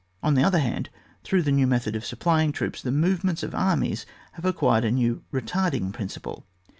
On the other hand, through the new method of supplying troops the move ments of armies have acquired a new retarding principle.